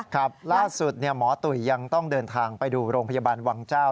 ครับล่าสุดหมอตุ๋ยยังต้องเดินทางไปดูโรงพยาบาลวังเจ้า